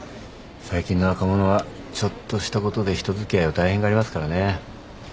最近の若者はちょっとしたことで人付き合いを大変がりますからね。